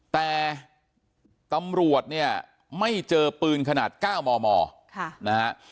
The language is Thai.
แต่ตำรวจเนี่ยไม่เจอปืนขนาด๙มมนะฮะ